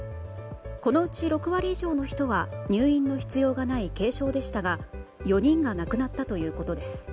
このうち６割以上の人は入院の必要がない軽症でしたが４人が亡くなったということです。